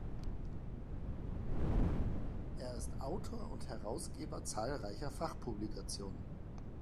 Er ist Autor und Herausgeber zahlreicher Fachpublikationen.